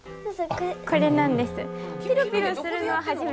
これなんです。